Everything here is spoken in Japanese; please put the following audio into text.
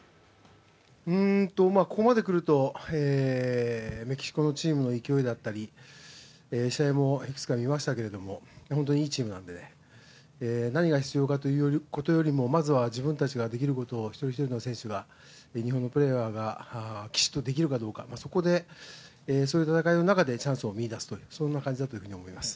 ここまで来ると、メキシコのチームの勢いだったり、試合もいくつか見ましたけど本当にいいチームなので、何が必要かということよりもまずは自分たちができることを一人一人の選手が日本のプレーヤーがきちんとできるかどうか、そういう戦いの中でチャンスを見いだす、そういう感じだったと思います。